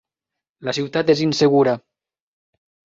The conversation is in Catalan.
La ciutat és insegura.